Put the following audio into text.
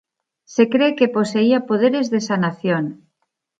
Se cree que poseía poderes de sanación.